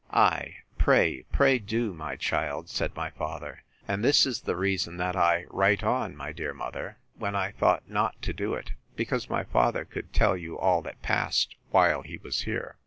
Ay, pray, pray do, my child, said my father; and this is the reason that I write on, my dear mother, when I thought not to do it, because my father could tell you all that passed while he was here.